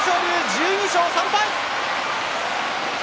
１２勝３敗。